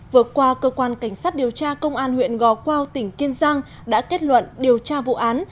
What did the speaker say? vừa qua cơ quan cảnh sát điều tra công an huyện gò quao tỉnh kiên giang đã kết luận điều tra vụ án